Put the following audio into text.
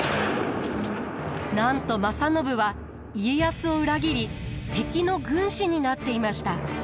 なんと正信は家康を裏切り敵の軍師になっていました。